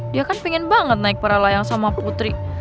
dia kan pengen banget naik para layang sama putri